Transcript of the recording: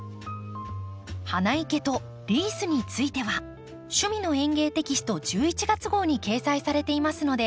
花生けとリースについては「趣味の園芸」テキスト１１月号に掲載されていますので